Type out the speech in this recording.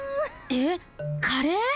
えっカレー！？